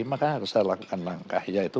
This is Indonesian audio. maka harus saya lakukan langkah yaitu